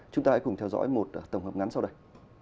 chúng ta hãy cùng theo dõi một tổng hợp ngắn sau đây